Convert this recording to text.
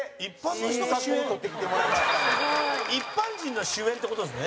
山崎：一般人の主演って事ですね。